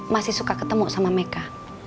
masih suka ketemu sama meka